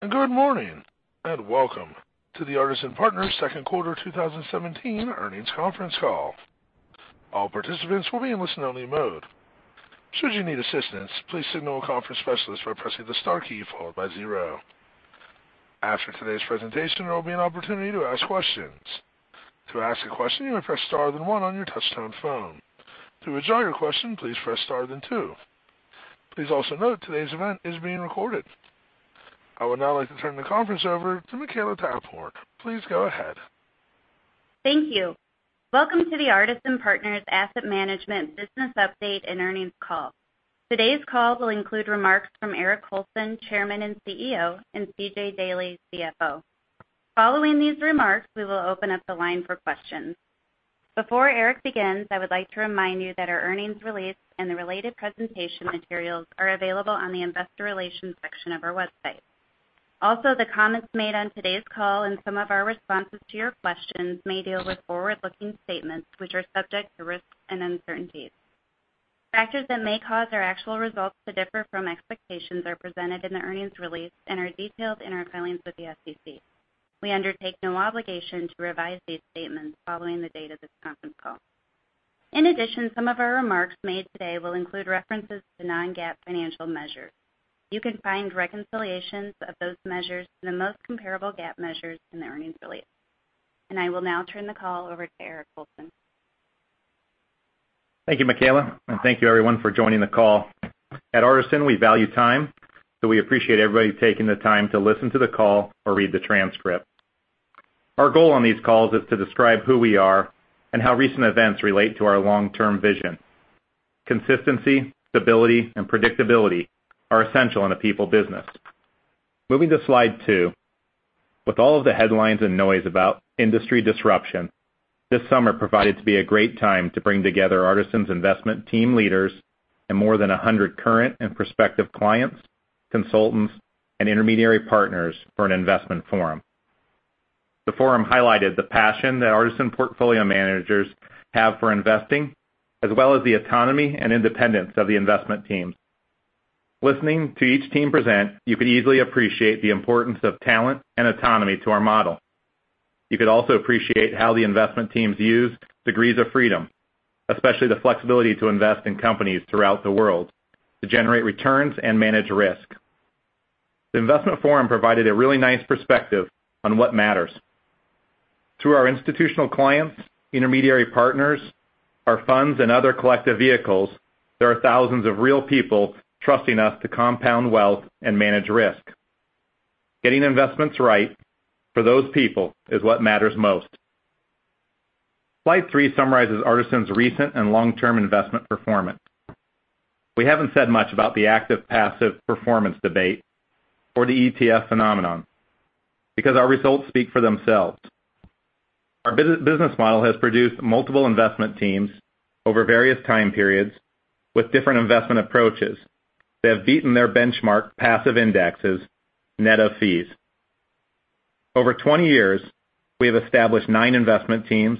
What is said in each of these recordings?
Good morning, and welcome to the Artisan Partners second quarter 2017 earnings conference call. All participants will be in listen only mode. Should you need assistance, please signal a conference specialist by pressing the star key, followed by zero. After today's presentation, there will be an opportunity to ask questions. To ask a question, you may press star, then one on your touch-tone phone. To withdraw your question, please press star, then two. Please also note today's event is being recorded. I would now like to turn the conference over to Makela Taphorn. Please go ahead. Thank you. Welcome to the Artisan Partners Asset Management business update and earnings call. Today's call will include remarks from Eric Colson, Chairman and CEO, and C.J. Daley, CFO. Following these remarks, we will open up the line for questions. Before Eric begins, I would like to remind you that our earnings release and the related presentation materials are available on the investor relations section of our website. The comments made on today's call and some of our responses to your questions may deal with forward-looking statements which are subject to risks and uncertainties. Factors that may cause our actual results to differ from expectations are presented in the earnings release and are detailed in our filings with the SEC. We undertake no obligation to revise these statements following the date of this conference call. In addition, some of our remarks made today will include references to non-GAAP financial measures. You can find reconciliations of those measures to the most comparable GAAP measures in the earnings release. I will now turn the call over to Eric Colson. Thank you, Makela, and thank you everyone for joining the call. At Artisan, we value time, so we appreciate everybody taking the time to listen to the call or read the transcript. Our goal on these calls is to describe who we are and how recent events relate to our long-term vision. Consistency, stability, and predictability are essential in a people business. Moving to slide two. With all of the headlines and noise about industry disruption, this summer proved to be a great time to bring together Artisan's investment team leaders and more than 100 current and prospective clients, consultants, and intermediary partners for an investment forum. The forum highlighted the passion that Artisan portfolio managers have for investing, as well as the autonomy and independence of the investment teams. Listening to each team present, you could easily appreciate the importance of talent and autonomy to our model. You could also appreciate how the investment teams use degrees of freedom, especially the flexibility to invest in companies throughout the world to generate returns and manage risk. The investment forum provided a really nice perspective on what matters. Through our institutional clients, intermediary partners, our funds, and other collective vehicles, there are thousands of real people trusting us to compound wealth and manage risk. Getting investments right for those people is what matters most. Slide three summarizes Artisan's recent and long-term investment performance. We haven't said much about the active/passive performance debate or the ETF phenomenon because our results speak for themselves. Our business model has produced multiple investment teams over various time periods with different investment approaches that have beaten their benchmark passive indexes net of fees. Over 20 years, we have established nine investment teams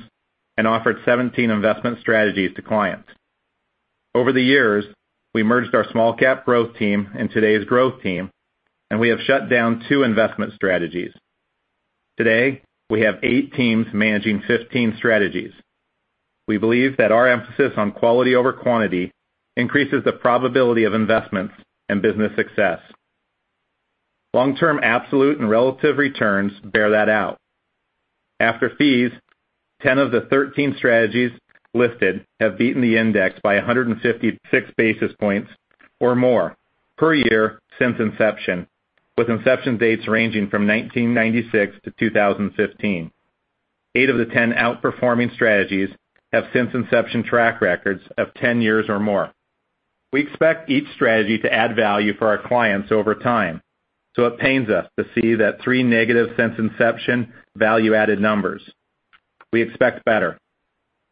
and offered 17 investment strategies to clients. Over the years, we merged our Small Cap Growth team and today's growth team, we have shut down two investment strategies. Today, we have eight teams managing 15 strategies. We believe that our emphasis on quality over quantity increases the probability of investments and business success. Long-term absolute and relative returns bear that out. After fees, 10 of the 13 strategies listed have beaten the index by 156 basis points or more per year since inception, with inception dates ranging from 1996 to 2015. Eight of the 10 outperforming strategies have since inception track records of 10 years or more. We expect each strategy to add value for our clients over time, so it pains us to see that three negative since inception value-added numbers. We expect better.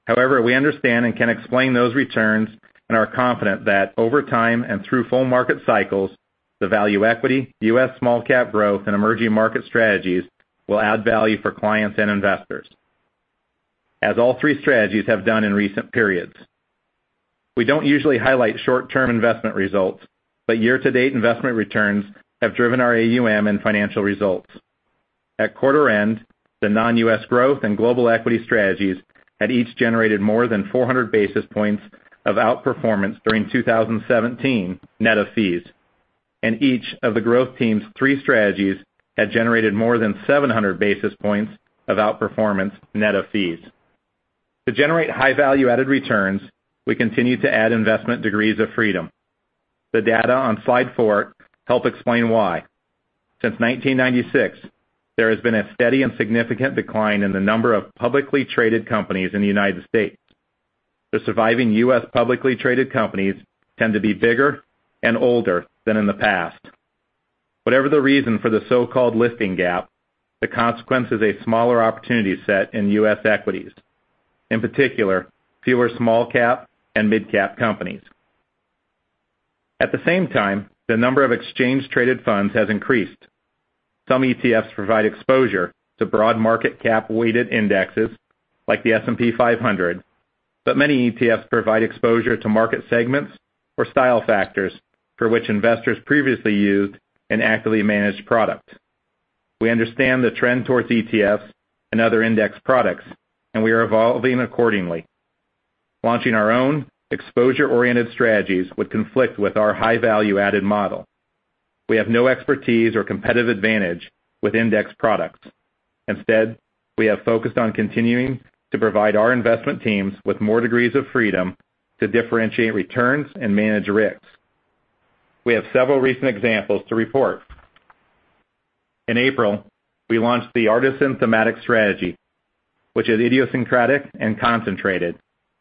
We understand and can explain those returns and are confident that over time and through full market cycles, the Value Equity, U.S. Small-Cap Growth, and Emerging Markets strategies will add value for clients and investors, as all three strategies have done in recent periods. We don't usually highlight short-term investment results, but year-to-date investment returns have driven our AUM and financial results. At quarter end, the Non-U.S. Growth and Global Equity strategies had each generated more than 400 basis points of outperformance during 2017 net of fees, and each of the growth team's three strategies had generated more than 700 basis points of outperformance net of fees. To generate high value-added returns, we continued to add investment degrees of freedom. The data on slide four help explain why. Since 1996, there has been a steady and significant decline in the number of publicly traded companies in the United States. The surviving U.S. publicly traded companies tend to be bigger and older than in the past. Whatever the reason for the so-called listing gap, the consequence is a smaller opportunity set in U.S. equities. In particular, fewer small cap and mid cap companies. At the same time, the number of exchange-traded funds has increased. Some ETFs provide exposure to broad market cap weighted indexes, like the S&P 500. Many ETFs provide exposure to market segments or style factors for which investors previously used an actively managed product. We understand the trend towards ETFs and other index products, we are evolving accordingly. Launching our own exposure-oriented strategies would conflict with our high value-added model. We have no expertise or competitive advantage with index products. Instead, we have focused on continuing to provide our investment teams with more degrees of freedom to differentiate returns and manage risks. We have several recent examples to report. In April, we launched the Artisan Thematic strategy, which is idiosyncratic and concentrated.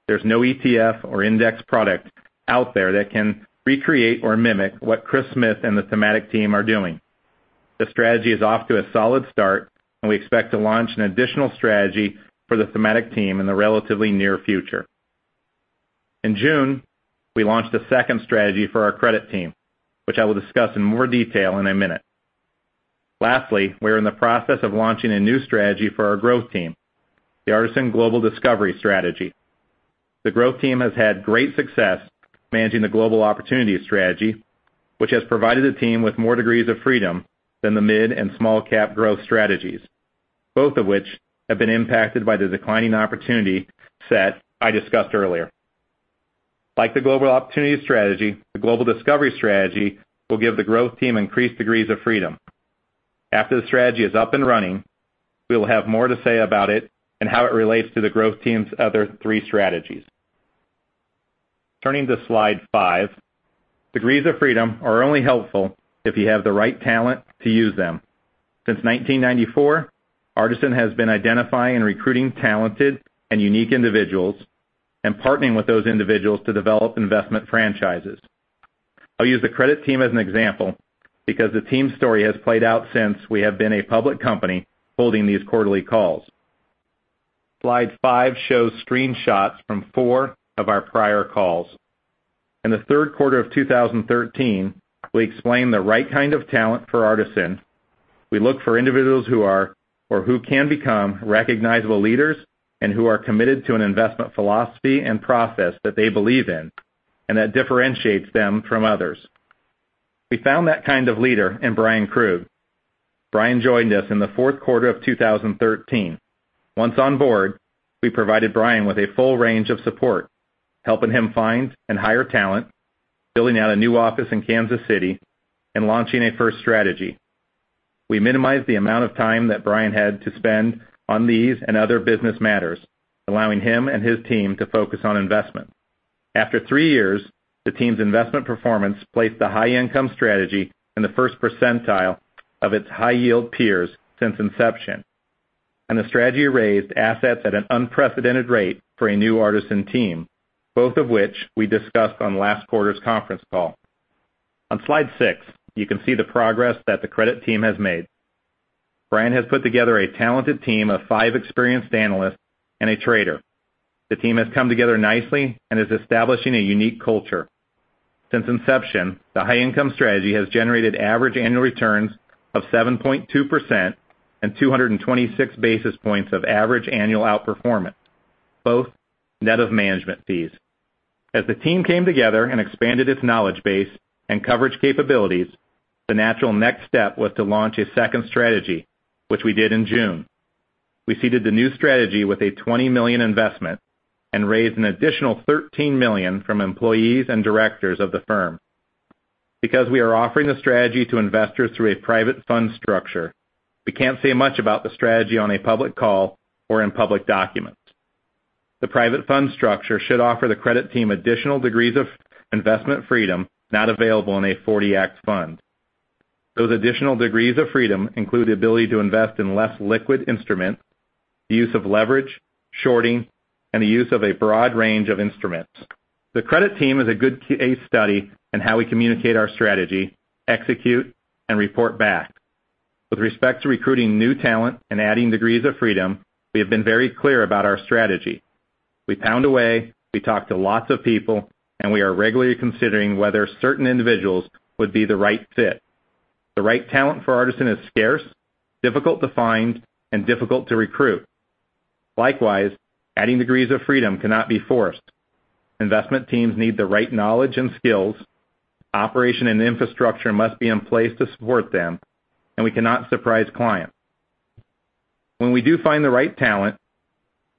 There's no ETF or index product out there that can recreate or mimic what Chris Smith and the Thematic team are doing. The strategy is off to a solid start, and we expect to launch an additional strategy for the Thematic team in the relatively near future. In June, we launched a second strategy for our Credit team, which I will discuss in more detail in a minute. Lastly, we are in the process of launching a new strategy for our Growth team, the Artisan Global Discovery strategy. The Growth team has had great success managing the Global Opportunities strategy, which has provided the team with more degrees of freedom than the mid and small-cap growth strategies, both of which have been impacted by the declining opportunity set I discussed earlier. Like the Global Opportunities strategy, the Global Discovery strategy will give the Growth team increased degrees of freedom. After the strategy is up and running, we will have more to say about it and how it relates to the Growth team's other three strategies. Turning to slide five, degrees of freedom are only helpful if you have the right talent to use them. Since 1994, Artisan has been identifying and recruiting talented and unique individuals and partnering with those individuals to develop investment franchises. I'll use the Credit team as an example because the team's story has played out since we have been a public company holding these quarterly calls. Slide five shows screenshots from four of our prior calls. In the third quarter of 2013, we explained the right kind of talent for Artisan. We look for individuals who are or who can become recognizable leaders and who are committed to an investment philosophy and process that they believe in and that differentiates them from others. We found that kind of leader in Bryan Krug. Bryan joined us in the fourth quarter of 2013. Once on board, we provided Bryan with a full range of support, helping him find and hire talent, building out a new office in Kansas City, and launching a first strategy. We minimized the amount of time that Bryan had to spend on these and other business matters, allowing him and his team to focus on investment. After three years, the team's investment performance placed the High Income Strategy in the first percentile of its high-yield peers since inception, and the strategy raised assets at an unprecedented rate for a new Artisan team, both of which we discussed on last quarter's conference call. On slide six, you can see the progress that the Credit team has made. Bryan has put together a talented team of five experienced analysts and a trader. The team has come together nicely and is establishing a unique culture. Since inception, the High Income Strategy has generated average annual returns of 7.2% and 226 basis points of average annual outperformance, both net of management fees. As the team came together and expanded its knowledge base and coverage capabilities, the natural next step was to launch a second strategy, which we did in June. We seeded the new strategy with a $20 million investment and raised an additional $13 million from employees and directors of the firm. Because we are offering the strategy to investors through a private fund structure, we can't say much about the strategy on a public call or in public documents. The private fund structure should offer the Credit team additional degrees of investment freedom not available in a '40 Act fund. Those additional degrees of freedom include the ability to invest in less liquid instruments, the use of leverage, shorting, and the use of a broad range of instruments. The Credit team is a good case study in how we communicate our strategy, execute, and report back. With respect to recruiting new talent and adding degrees of freedom, we have been very clear about our strategy. We pound away, we talk to lots of people, and we are regularly considering whether certain individuals would be the right fit. The right talent for Artisan is scarce, difficult to find, and difficult to recruit. Likewise, adding degrees of freedom cannot be forced. Investment teams need the right knowledge and skills. Operation and infrastructure must be in place to support them, and we cannot surprise clients. When we do find the right talent,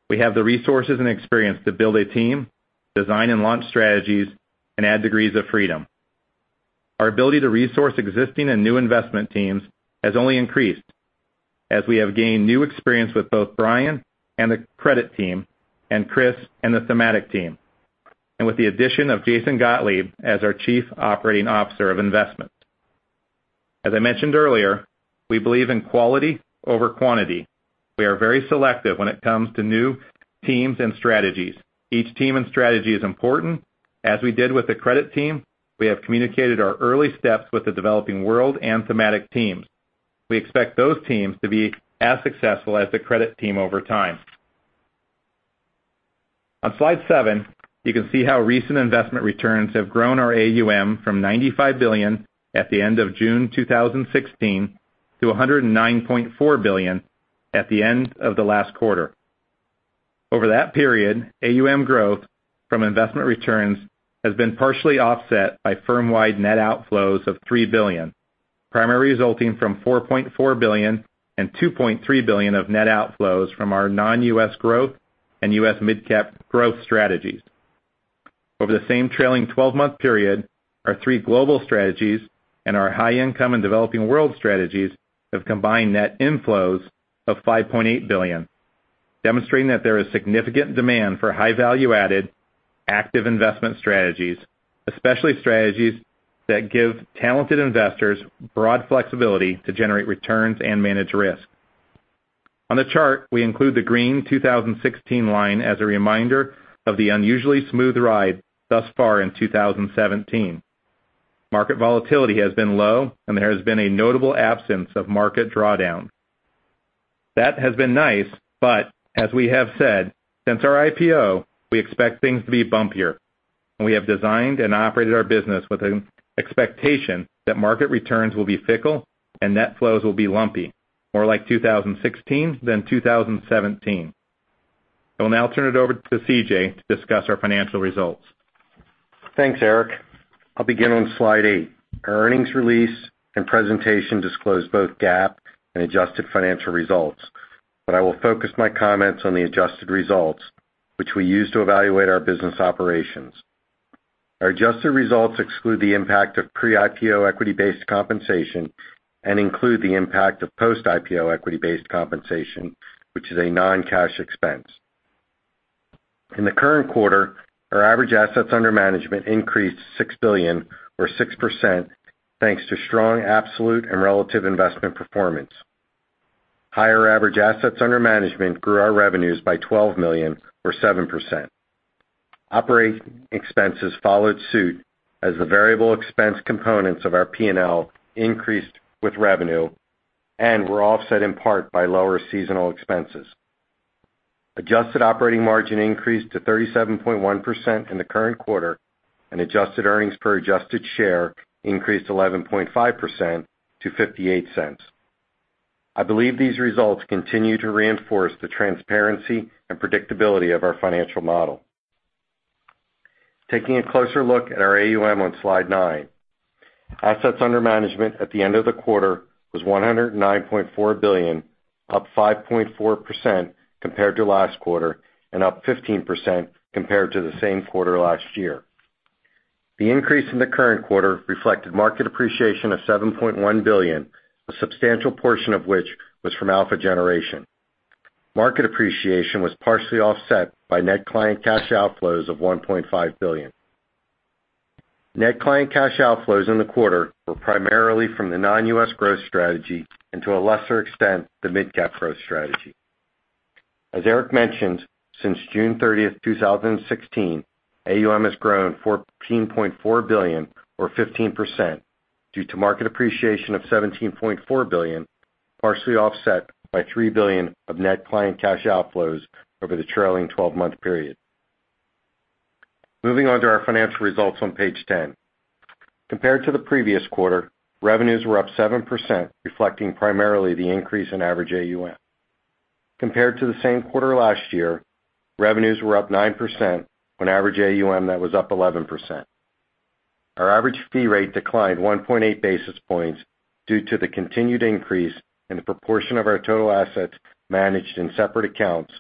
we have the resources and experience to build a team, design and launch strategies, and add degrees of freedom. Our ability to resource existing and new investment teams has only increased as we have gained new experience with both Bryan and the Credit team and Chris and the Thematic team, and with the addition of Jason Gottlieb as our Chief Operating Officer of Investments. As I mentioned earlier, we believe in quality over quantity. We are very selective when it comes to new teams and strategies. Each team and strategy is important. As we did with the Credit team, we have communicated our early steps with the Developing World and Thematic teams. We expect those teams to be as successful as the Credit team over time. On slide seven, you can see how recent investment returns have grown our AUM from $95 billion at the end of June 2016 to $109.4 billion at the end of the last quarter. Over that period, AUM growth from investment returns has been partially offset by firm-wide net outflows of $3 billion, primarily resulting from $4.4 billion and $2.3 billion of net outflows from our Non-US Growth and U.S. Mid-Cap Growth strategies. Over the same trailing 12-month period, our three global strategies and our High Income and Developing World strategies have combined net inflows of $5.8 billion, demonstrating that there is significant demand for high value-added active investment strategies, especially strategies that give talented investors broad flexibility to generate returns and manage risk. On the chart, we include the green 2016 line as a reminder of the unusually smooth ride thus far in 2017. Market volatility has been low, and there has been a notable absence of market drawdown. That has been nice, but as we have said, since our IPO, we expect things to be bumpier, and we have designed and operated our business with an expectation that market returns will be fickle and net flows will be lumpy, more like 2016 than 2017. I will now turn it over to CJ to discuss our financial results. Thanks, Eric. I'll begin on slide eight. Our earnings release and presentation disclose both GAAP and adjusted financial results, but I will focus my comments on the adjusted results, which we use to evaluate our business operations. Our adjusted results exclude the impact of pre-IPO equity-based compensation and include the impact of post-IPO equity-based compensation, which is a non-cash expense. In the current quarter, our average assets under management increased $6 billion or 6% thanks to strong absolute and relative investment performance. Higher average assets under management grew our revenues by $12 million or 7%. Operating expenses followed suit, as the variable expense components of our P&L increased with revenue and were offset in part by lower seasonal expenses. Adjusted operating margin increased to 37.1% in the current quarter. Adjusted earnings per adjusted share increased 11.5% to $0.58. I believe these results continue to reinforce the transparency and predictability of our financial model. Taking a closer look at our AUM on slide nine. Assets under management at the end of the quarter was $109.4 billion, up 5.4% compared to last quarter and up 15% compared to the same quarter last year. The increase in the current quarter reflected market appreciation of $7.1 billion, a substantial portion of which was from alpha generation. Market appreciation was partially offset by net client cash outflows of $1.5 billion. Net client cash outflows in the quarter were primarily from the Non-US Growth Strategy and to a lesser extent, the Mid-Cap Growth Strategy. As Eric mentioned, since June 30th, 2016, AUM has grown $14.4 billion or 15% due to market appreciation of $17.4 billion, partially offset by $3 billion of net client cash outflows over the trailing 12-month period. Moving on to our financial results on page 10. Compared to the previous quarter, revenues were up 7%, reflecting primarily the increase in average AUM. Compared to the same quarter last year, revenues were up 9% on average AUM that was up 11%. Our average fee rate declined 1.8 basis points due to the continued increase in the proportion of our total assets managed in separate accounts,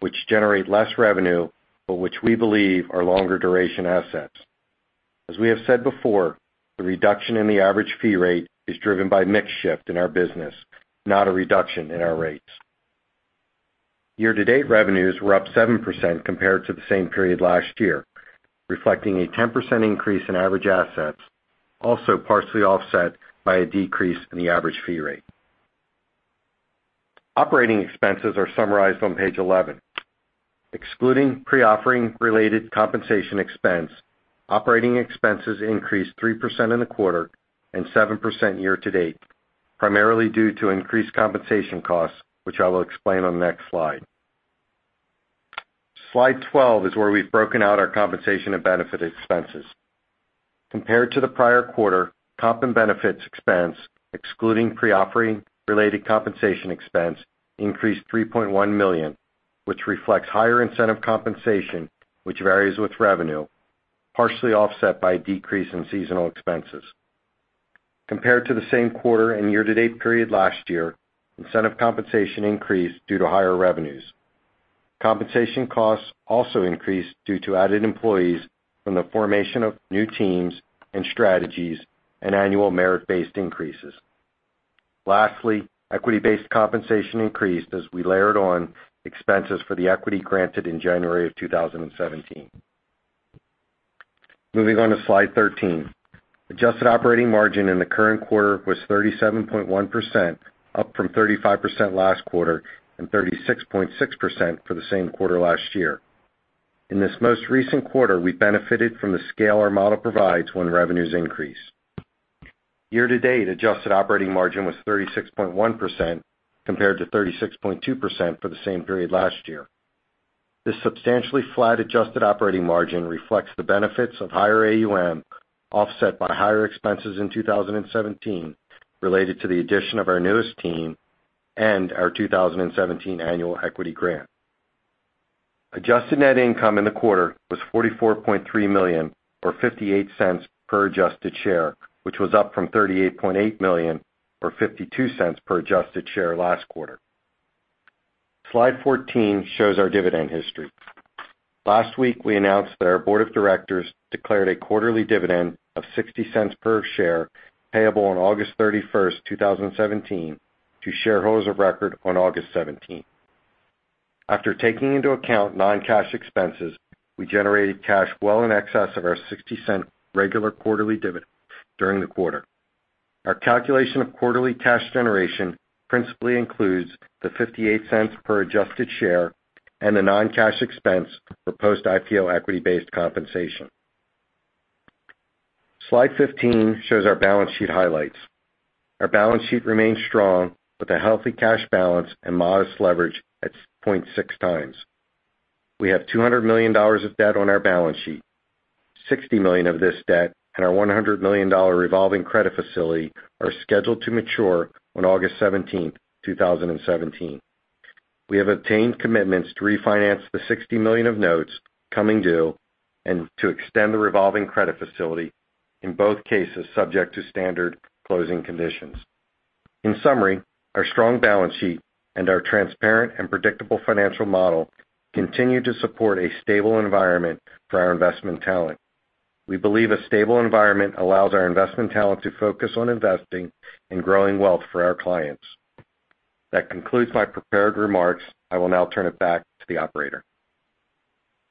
which generate less revenue, but which we believe are longer duration assets. As we have said before, the reduction in the average fee rate is driven by mix shift in our business, not a reduction in our rates. Year-to-date revenues were up 7% compared to the same period last year, reflecting a 10% increase in average assets, also partially offset by a decrease in the average fee rate. Operating expenses are summarized on page 11. Excluding pre-offering related compensation expense, operating expenses increased 3% in the quarter and 7% year-to-date, primarily due to increased compensation costs, which I will explain on the next slide. Slide 12 is where we've broken out our compensation and benefit expenses. Compared to the prior quarter, comp and benefits expense, excluding pre-offering related compensation expense, increased $3.1 million, which reflects higher incentive compensation, which varies with revenue, partially offset by a decrease in seasonal expenses. Compared to the same quarter and year-to-date period last year, incentive compensation increased due to higher revenues. Compensation costs also increased due to added employees from the formation of new teams and strategies and annual merit-based increases. Lastly, equity-based compensation increased as we layered on expenses for the equity granted in January of 2017. Moving on to slide 13. Adjusted operating margin in the current quarter was 37.1%, up from 35% last quarter and 36.6% for the same quarter last year. In this most recent quarter, we benefited from the scale our model provides when revenues increase. Year-to-date adjusted operating margin was 36.1% compared to 36.2% for the same period last year. This substantially flat adjusted operating margin reflects the benefits of higher AUM, offset by higher expenses in 2017 related to the addition of our newest team and our 2017 annual equity grant. Adjusted net income in the quarter was $44.3 million, or $0.58 per adjusted share, which was up from $38.8 million or $0.52 per adjusted share last quarter. Slide 14 shows our dividend history. Last week, we announced that our board of directors declared a quarterly dividend of $0.60 per share, payable on August 31st, 2017, to shareholders of record on August 17th. After taking into account non-cash expenses, we generated cash well in excess of our $0.60 regular quarterly dividend during the quarter. Our calculation of quarterly cash generation principally includes the $0.58 per adjusted share and the non-cash expense for post-IPO equity-based compensation. Slide 15 shows our balance sheet highlights. Our balance sheet remains strong with a healthy cash balance and modest leverage at 0.6 times. We have $200 million of debt on our balance sheet, $60 million of this debt and our $100 million revolving credit facility are scheduled to mature on August 17th, 2017. We have obtained commitments to refinance the $60 million of notes coming due, and to extend the revolving credit facility, in both cases, subject to standard closing conditions. In summary, our strong balance sheet and our transparent and predictable financial model continue to support a stable environment for our investment talent. We believe a stable environment allows our investment talent to focus on investing and growing wealth for our clients. That concludes my prepared remarks. I will now turn it back to the operator.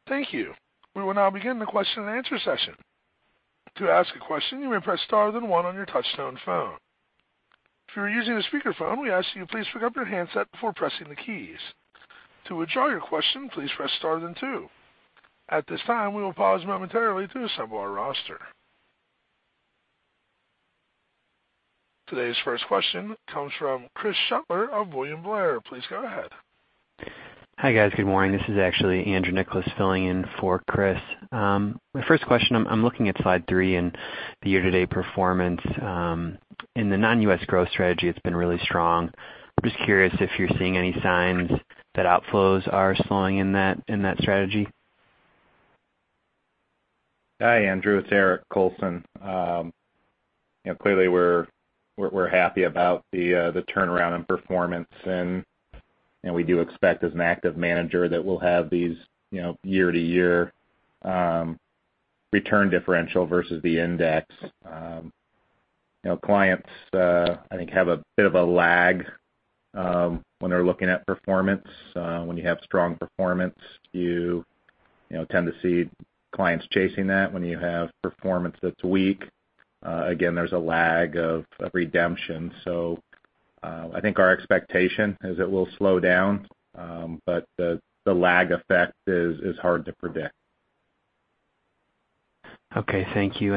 Thank you. We will now begin the question and answer session. To ask a question, you may press star then one on your touchtone phone. If you are using a speakerphone, we ask that you please pick up your handset before pressing the keys. To withdraw your question, please press star then two. At this time, we will pause momentarily to assemble our roster. Today's first question comes from Chris Shutler of William Blair. Please go ahead. Hi, guys. Good morning. This is actually Andrew Nicholas filling in for Chris. My first question, I'm looking at slide three and the year-to-date performance. In the Non-U.S. Growth Strategy, it's been really strong. I'm just curious if you're seeing any signs that outflows are slowing in that strategy. Hi, Andrew. It's Eric Colson. Clearly, we're happy about the turnaround in performance, and we do expect as an active manager that we'll have these year-to-year return differential versus the index. Clients, I think, have a bit of a lag when they're looking at performance. When you have strong performance, you tend to see clients chasing that. When you have performance that's weak, again, there's a lag of redemption. I think our expectation is it will slow down. The lag effect is hard to predict. Okay, thank you.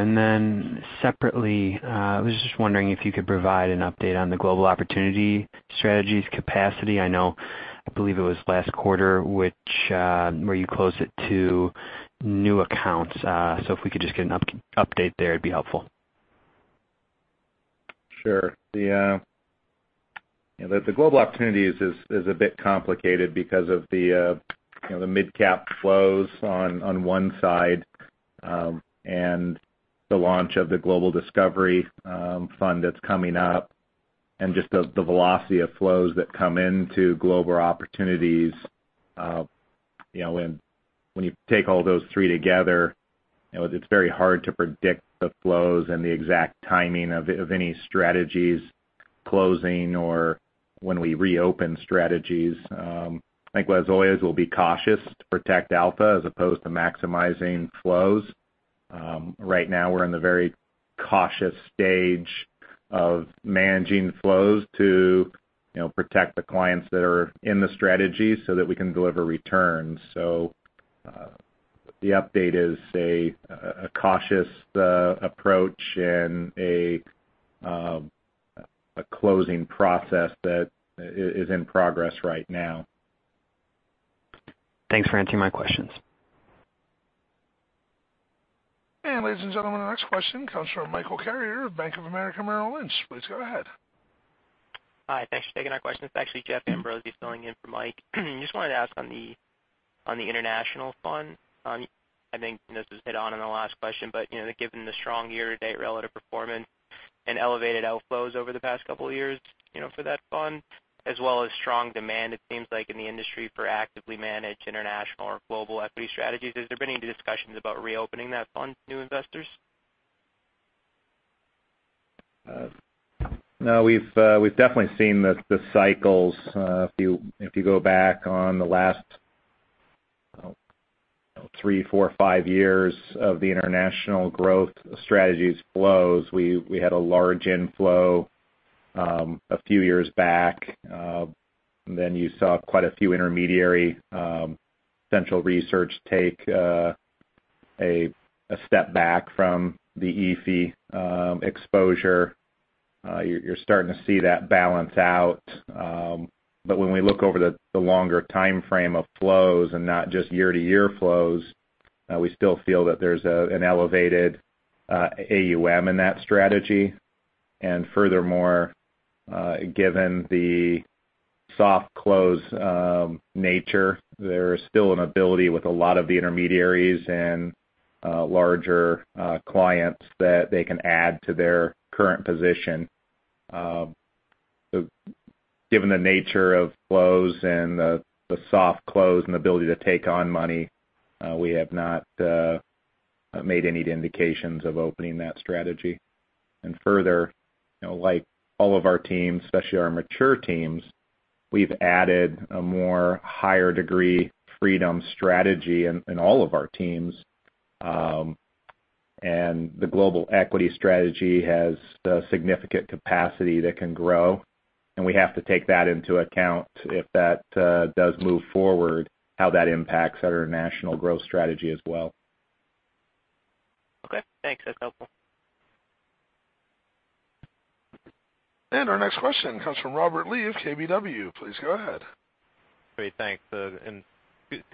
Separately, I was just wondering if you could provide an update on the Global Opportunities Strategy capacity. I believe it was last quarter where you closed it to new accounts. If we could just get an update there, it'd be helpful. Sure. The Global Opportunities is a bit complicated because of the mid-cap flows on one side, and the launch of the Global Discovery Fund that's coming up, and just the velocity of flows that come into Global Opportunities. When you take all those three together, it's very hard to predict the flows and the exact timing of any strategies closing or when we reopen strategies. I think as always, we'll be cautious to protect alpha as opposed to maximizing flows. Right now, we're in the very cautious stage of managing flows to protect the clients that are in the strategy so that we can deliver returns. The update is a cautious approach and a closing process that is in progress right now. Thanks for answering my questions. Ladies and gentlemen, the next question comes from Michael Carrier of Bank of America Merrill Lynch. Please go ahead. Hi, thanks for taking our question. It's actually Jeff Ambrose filling in for Mike. Just wanted to ask on the International Fund. I think this was hit on in the last question, but given the strong year-to-date relative performance and elevated outflows over the past couple of years for that fund, as well as strong demand, it seems like in the industry for actively managed international or global equity strategies. Has there been any discussions about reopening that fund to new investors? No, we've definitely seen the cycles. If you go back on the last three, four, five years of the International Growth Strategy flows, we had a large inflow a few years back. You saw quite a few intermediary central research take A step back from the EAFE exposure. You're starting to see that balance out. When we look over the longer timeframe of flows and not just year-to-year flows, we still feel that there's an elevated AUM in that strategy. Furthermore, given the soft close nature, there is still an ability with a lot of the intermediaries and larger clients that they can add to their current position. Given the nature of flows and the soft close and ability to take on money, we have not made any indications of opening that strategy. Further, like all of our teams, especially our mature teams, we've added a more higher degree freedom strategy in all of our teams. The Global Equity Strategy has significant capacity that can grow, and we have to take that into account, if that does move forward, how that impacts our International Growth Strategy as well. Okay, thanks. That's helpful. Our next question comes from Robert Lee of KBW. Please go ahead. Great. Thanks. Thanks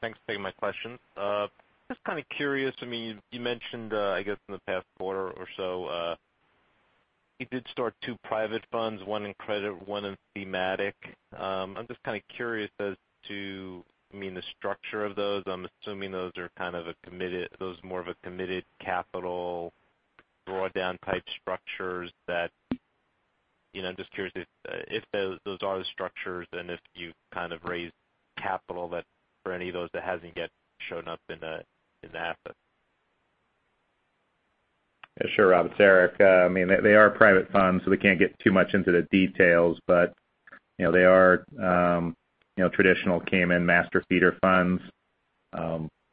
for taking my question. Just curious, you mentioned, I guess in the past quarter or so, you did start two private funds, one in credit, one in thematic. I'm just curious as to the structure of those. I'm assuming those are more of a committed capital drawdown type structures that I'm just curious if those are the structures and if you raised capital that for any of those that hasn't yet shown up in the assets. Yeah, sure, Robert. It's Eric. They are private funds, so we can't get too much into the details, but they are traditional Cayman master feeder funds.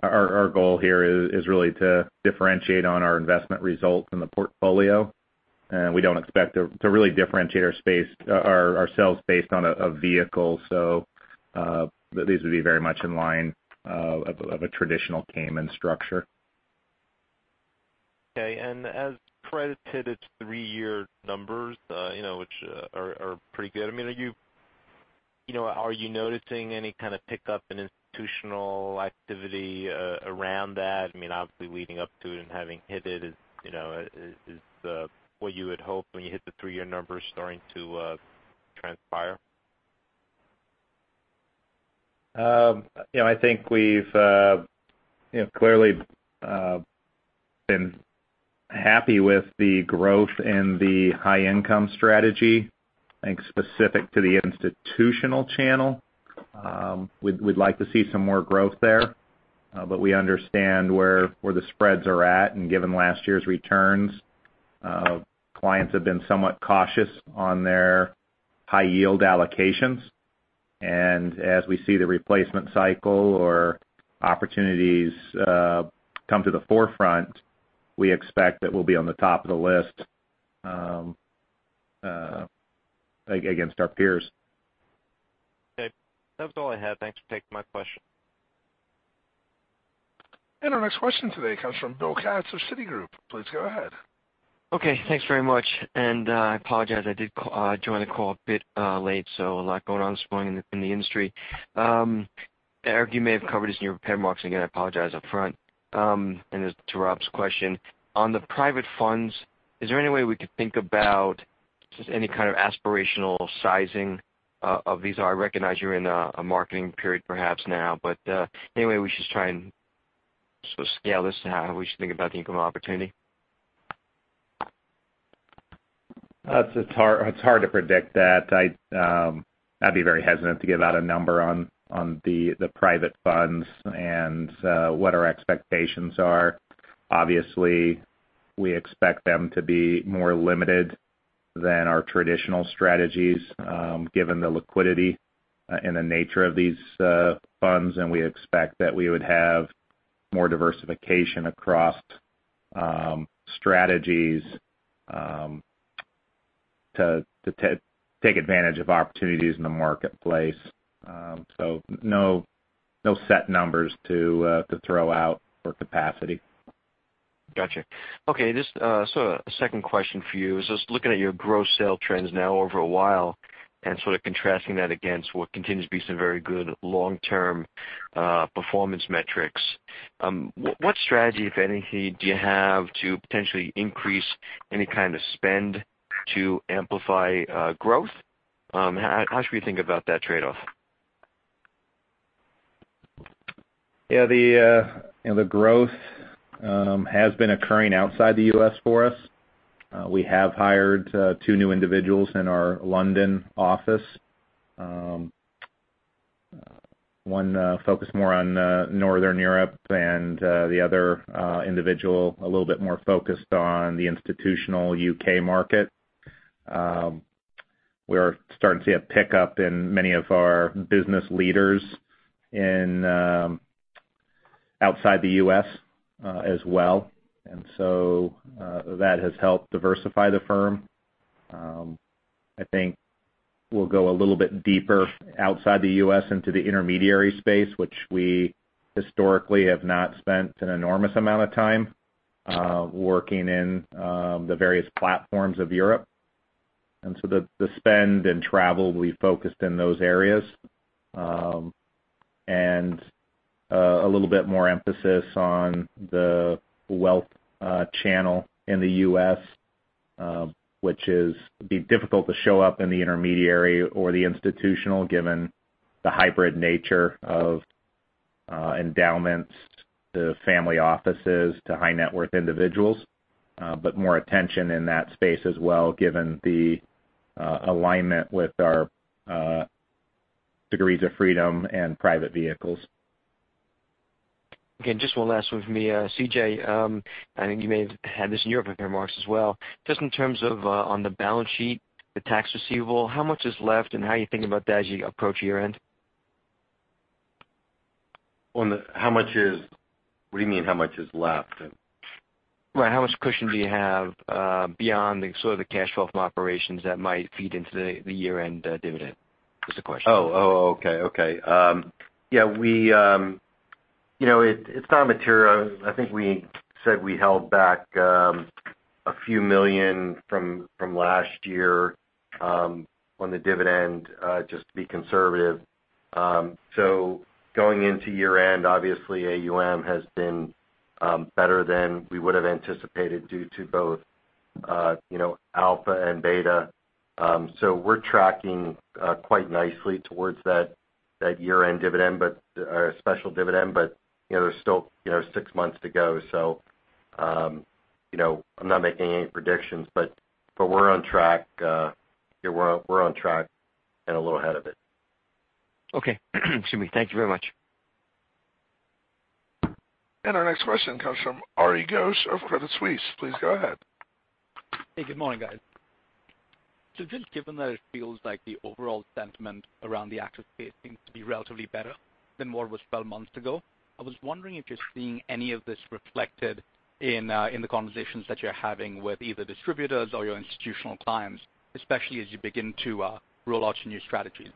Our goal here is really to differentiate on our investment results in the portfolio. We don't expect to really differentiate ourselves based on a vehicle. These would be very much in line of a traditional Cayman structure. Okay. As Credit's three-year numbers, which are pretty good. Are you noticing any kind of pickup in institutional activity around that? Obviously leading up to it and having hit it is what you would hope when you hit the three-year numbers starting to transpire? I think we've clearly been happy with the growth in the High Income Strategy. We understand where the spreads are at, and given last year's returns, clients have been somewhat cautious on their high yield allocations. As we see the replacement cycle or opportunities come to the forefront, we expect that we'll be on the top of the list against our peers. That was all I had. Thanks for taking my question. Our next question today comes from William Katz of Citigroup. Please go ahead. Thanks very much. I apologize, I did join the call a bit late, a lot going on this morning in the industry. Eric, you may have covered this in your remarks. Again, I apologize up front. As to Rob's question, on the private funds, is there any way we could think about just any kind of aspirational sizing of these? I recognize you're in a marketing period perhaps now, but any way we should try and sort of scale this, how we should think about the income opportunity? It's hard to predict that. I'd be very hesitant to give out a number on the private funds and what our expectations are. Obviously, we expect them to be more limited than our traditional strategies, given the liquidity and the nature of these funds. We expect that we would have more diversification across strategies to take advantage of opportunities in the marketplace. No set numbers to throw out for capacity. Got you. Okay. Just a second question for you, is just looking at your gross sale trends now over a while and sort of contrasting that against what continues to be some very good long-term performance metrics. What strategy, if any, do you have to potentially increase any kind of spend to amplify growth? How should we think about that trade-off? Yeah. The growth has been occurring outside the U.S. for us. We have hired two new individuals in our London office. One focused more on Northern Europe and the other individual a little bit more focused on the institutional U.K. market. We're starting to see a pickup in many of our business leaders outside the U.S. as well. That has helped diversify the firm. We'll go a little bit deeper outside the U.S. into the intermediary space, which we historically have not spent an enormous amount of time working in the various platforms of Europe. The spend and travel will be focused in those areas. A little bit more emphasis on the wealth channel in the U.S., which it'd be difficult to show up in the intermediary or the institutional, given the hybrid nature of endowments to family offices, to high net worth individuals. More attention in that space as well, given the alignment with our degrees of freedom and private vehicles. Okay, just one last one from me. C.J., I think you may have had this in your prepared remarks as well. In terms of on the balance sheet, the tax receivable, how much is left and how are you thinking about that as you approach year-end? What do you mean how much is left? Right, how much cushion do you have beyond the sort of the cash flow from operations that might feed into the year-end dividend? Just a question. Oh, okay. Yeah, it's not material. I think we said we held back a few million from last year on the dividend, just to be conservative. Going into year-end, obviously AUM has been better than we would've anticipated due to both alpha and beta. We're tracking quite nicely towards that year-end dividend or special dividend. There's still six months to go, so I'm not making any predictions, but we're on track. We're on track and a little ahead of it. Okay. Excuse me. Thank you very much. Our next question comes from Arighna Ghosh of Credit Suisse. Please go ahead. Hey, good morning, guys. Just given that it feels like the overall sentiment around the active space seems to be relatively better than where it was 12 months ago, I was wondering if you're seeing any of this reflected in the conversations that you're having with either distributors or your institutional clients, especially as you begin to roll out some new strategies.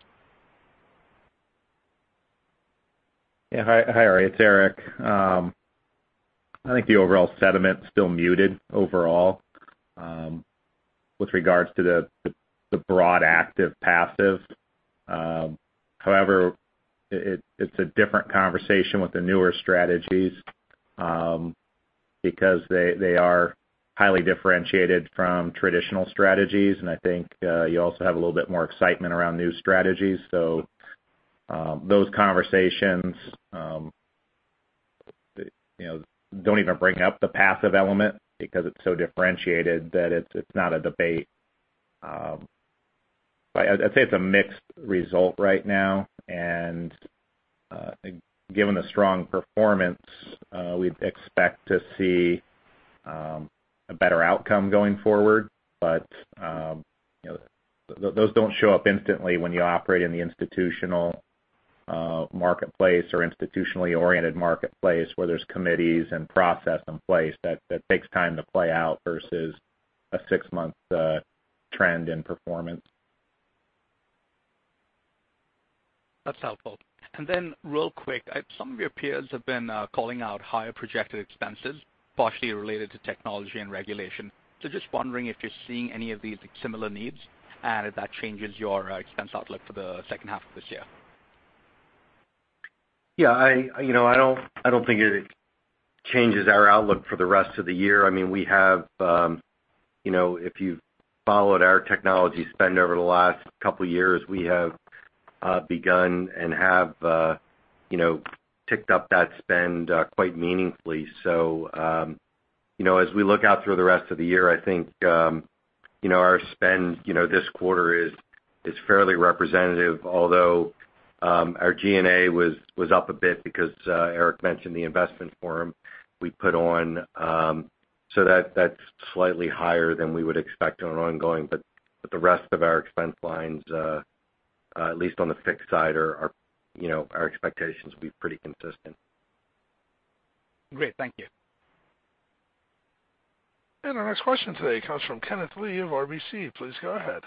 Yeah. Hi, Ari. It's Eric. I think the overall sentiment's still muted overall with regards to the broad active-passive. However, it's a different conversation with the newer strategies, because they are highly differentiated from traditional strategies, and I think you also have a little bit more excitement around new strategies. Those conversations don't even bring up the passive element because it's so differentiated that it's not a debate. I'd say it's a mixed result right now, and given the strong performance, we'd expect to see a better outcome going forward. Those don't show up instantly when you operate in the institutional marketplace or institutionally oriented marketplace where there's committees and process in place. That takes time to play out versus a six-month trend in performance. That's helpful. Real quick, some of your peers have been calling out higher projected expenses, partially related to technology and regulation. Just wondering if you're seeing any of these similar needs, and if that changes your expense outlook for the second half of this year. I don't think it changes our outlook for the rest of the year. If you've followed our technology spend over the last couple of years, we have begun and have ticked up that spend quite meaningfully. As we look out through the rest of the year, I think our spend this quarter is fairly representative, although our G&A was up a bit because Eric mentioned the investment forum we put on. That's slightly higher than we would expect on an ongoing, the rest of our expense lines, at least on the fixed side, our expectations will be pretty consistent. Great. Thank you. Our next question today comes from Kenneth Lee of RBC. Please go ahead.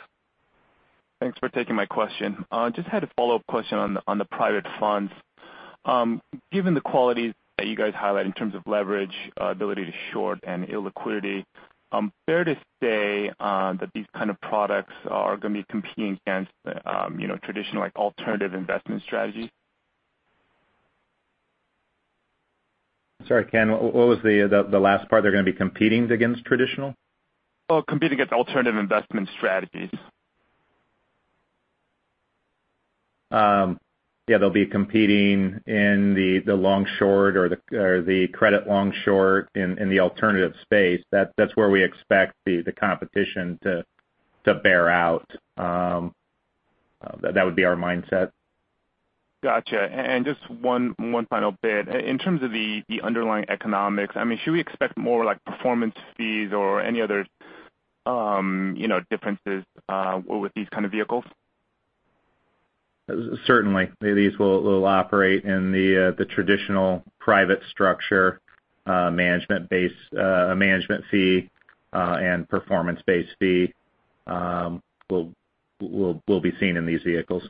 Thanks for taking my question. Just had a follow-up question on the private funds. Given the qualities that you guys highlight in terms of leverage, ability to short, and illiquidity, fair to say that these kind of products are going to be competing against traditional alternative investment strategies? Sorry, Ken, what was the last part? They're going to be competing against traditional? Oh, competing against alternative investment strategies. Yeah, they'll be competing in the long-short or the credit long-short in the alternative space. That's where we expect the competition to bear out. That would be our mindset. Got you. Just one final bit. In terms of the underlying economics, should we expect more performance fees or any other differences with these kind of vehicles? Certainly. These will operate in the traditional private structure management fee and performance-based fee will be seen in these vehicles.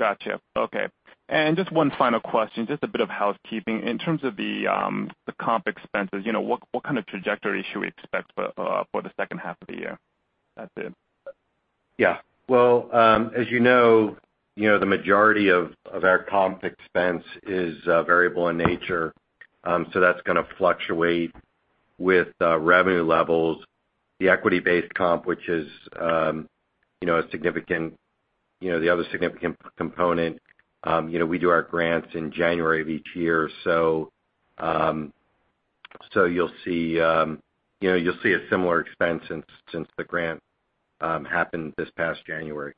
Got you. Okay. Just one final question, just a bit of housekeeping. In terms of the comp expenses, what kind of trajectory should we expect for the second half of the year? That's it. Yeah. Well, as you know, the majority of our comp expense is variable in nature. That's going to fluctuate with revenue levels. The equity-based comp, which is the other significant component. We do our grants in January of each year. You'll see a similar expense since the grant happened this past January.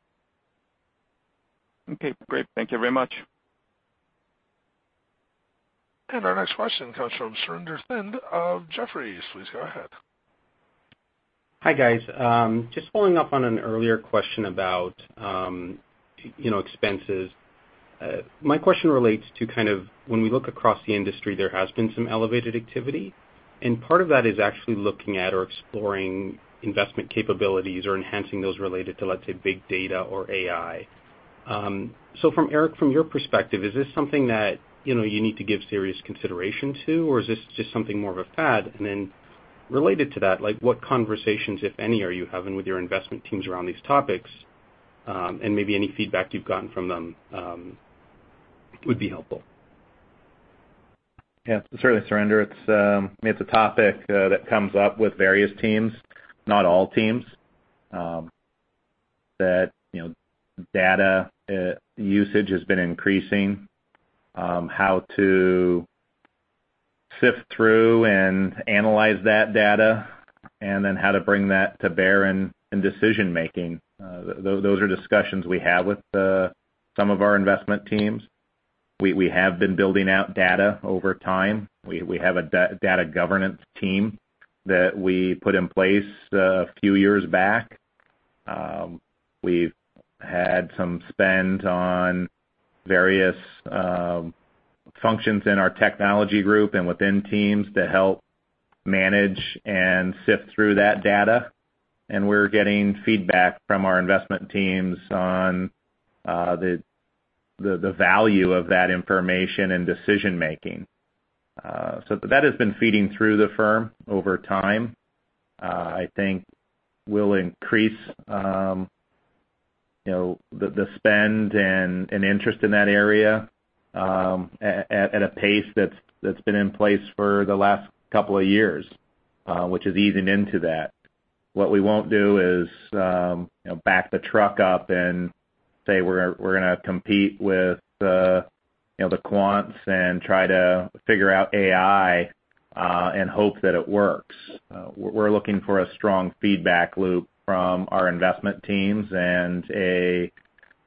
Okay, great. Thank you very much. Our next question comes from Surinder Thind of Jefferies. Please go ahead. Hi, guys. Just following up on an earlier question about expenses. My question relates to when we look across the industry, there has been some elevated activity, and part of that is actually looking at or exploring investment capabilities or enhancing those related to, let's say, big data or AI. Eric, from your perspective, is this something that you need to give serious consideration to, or is this just something more of a fad? Related to that, what conversations, if any, are you having with your investment teams around these topics? Maybe any feedback you've gotten from them would be helpful. Yeah. Certainly, Surinder, it's a topic that comes up with various teams, not all teams, that data usage has been increasing. How to sift through and analyze that data, and then how to bring that to bear in decision making. Those are discussions we have with some of our investment teams. We have been building out data over time. We have a data governance team that we put in place a few years back. We've had some spend on various functions in our technology group and within teams to help manage and sift through that data. We're getting feedback from our investment teams on the value of that information and decision making. That has been feeding through the firm over time. I think we'll increase the spend and interest in that area at a pace that's been in place for the last couple of years, which is easing into that. What we won't do is back the truck up and say we're going to compete with the quants and try to figure out AI and hope that it works. We're looking for a strong feedback loop from our investment teams and a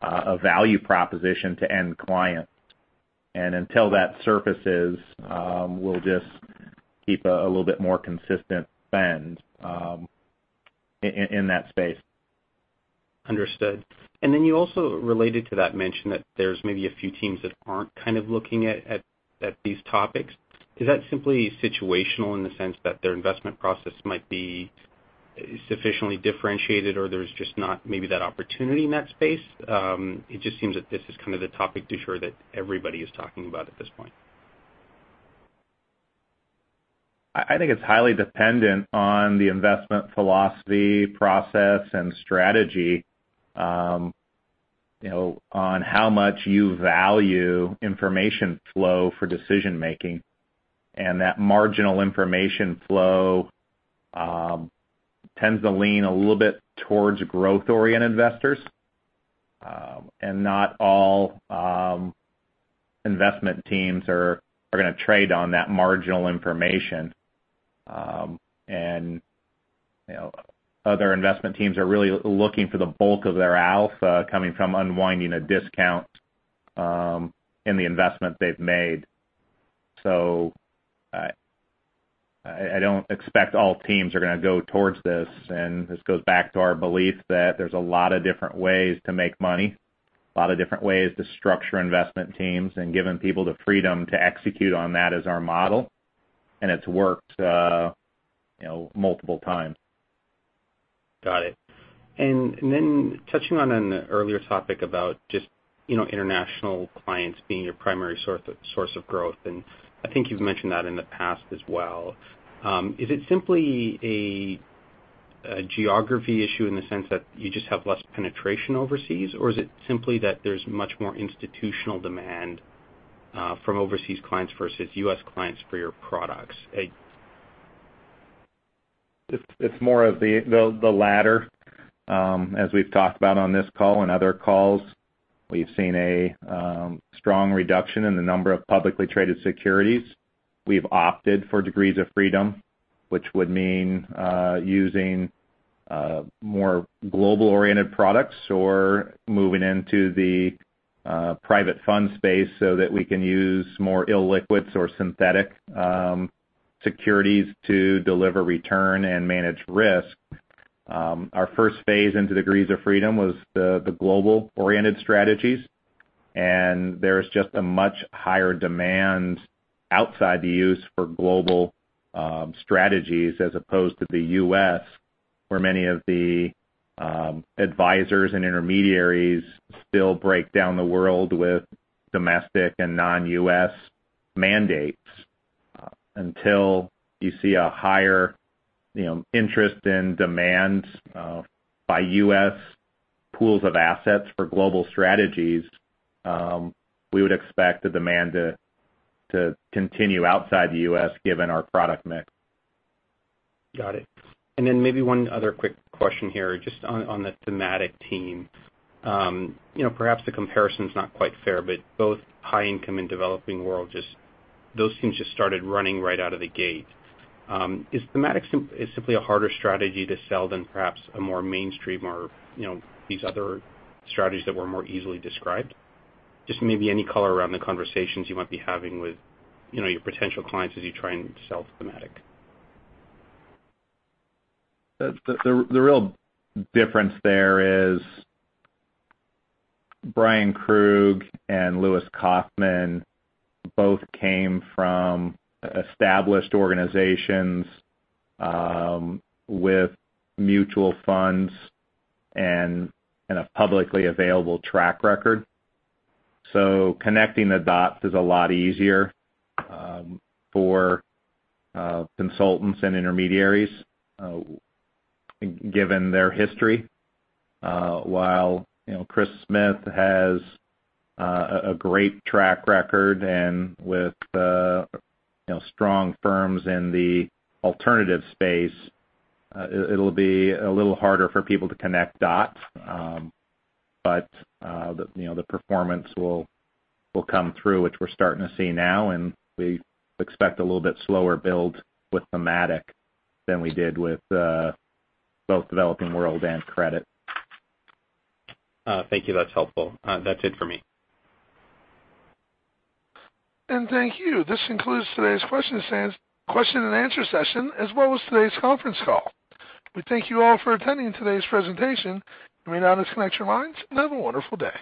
value proposition to end clients. Until that surfaces, we'll just keep a little bit more consistent spend in that space. Understood. You also related to that mention that there's maybe a few teams that aren't looking at these topics. Is that simply situational in the sense that their investment process might be sufficiently differentiated or there's just not maybe that opportunity in that space? It just seems that this is the topic du jour that everybody is talking about at this point. I think it's highly dependent on the investment philosophy, process, and strategy on how much you value information flow for decision making. That marginal information flow tends to lean a little bit towards growth-oriented investors. Not all investment teams are going to trade on that marginal information. Other investment teams are really looking for the bulk of their alpha coming from unwinding a discount in the investment they've made. I don't expect all teams are going to go towards this. This goes back to our belief that there's a lot of different ways to make money, a lot of different ways to structure investment teams, and giving people the freedom to execute on that is our model, and it's worked multiple times. Got it. Touching on an earlier topic about just international clients being your primary source of growth, and I think you've mentioned that in the past as well. Is it simply a geography issue in the sense that you just have less penetration overseas, or is it simply that there's much more institutional demand from overseas clients versus U.S. clients for your products? It's more of the latter. As we've talked about on this call and other calls, we've seen a strong reduction in the number of publicly traded securities. We've opted for degrees of freedom, which would mean using more global-oriented products or moving into the private fund space so that we can use more illiquids or synthetic securities to deliver return and manage risk. Our first phase into degrees of freedom was the global-oriented strategies. There is just a much higher demand outside the U.S. for global strategies as opposed to the U.S., where many of the advisors and intermediaries still break down the world with domestic and non-U.S. mandates. Until you see a higher interest in demand by U.S. pools of assets for global strategies, we would expect the demand to continue outside the U.S. given our product mix. Got it. Maybe one other quick question here, just on the Thematic Team. Perhaps the comparison's not quite fair, but both High Income and Developing World, those teams just started running right out of the gate. Is Thematic simply a harder strategy to sell than perhaps a more mainstream, or these other strategies that were more easily described? Just maybe any color around the conversations you might be having with your potential clients as you try and sell Thematic. The real difference there is Bryan Krug and Lewis Kaufman both came from established organizations with mutual funds and a publicly available track record. Connecting the dots is a lot easier for consultants and intermediaries given their history. While Chris Smith has a great track record and with strong firms in the alternative space, it'll be a little harder for people to connect dots. The performance will come through, which we're starting to see now, and we expect a little bit slower build with Thematic than we did with both Developing World and credit. Thank you. That's helpful. That's it for me. Thank you. This concludes today's question and answer session, as well as today's conference call. We thank you all for attending today's presentation. You may now disconnect your lines, and have a wonderful day.